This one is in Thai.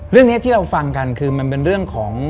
เรื่องนี้ที่เราฟังกันคือมันเป็นเรื่องของ